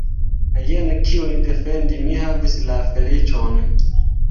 Jen kiun defendi mi havis la feliĉon!